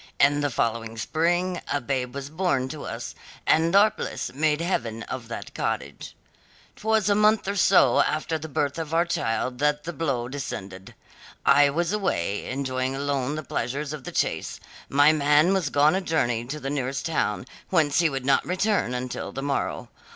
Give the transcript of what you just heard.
In the following spring a babe was born to us, and our bliss made heaven of that cottage. "Twas a month or so after the birth of our child that the blow descended. I was away, enjoying alone the pleasures of the chase; my man was gone a journey to the nearest town, whence he would not return until the morrow.